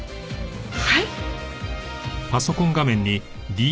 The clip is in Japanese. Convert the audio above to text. はい？